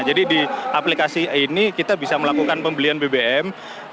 jadi di aplikasi ini kita bisa melakukan pembelian bbm